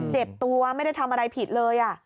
เจ็บตัวไม่ได้ทำอะไรผิดเลย